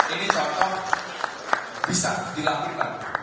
ini contoh bisa dilakukan